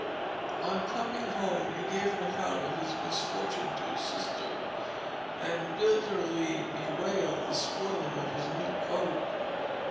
On coming home he gave an account of his misfortune to his sister, and bitterly bewailed the spoiling of his new coat.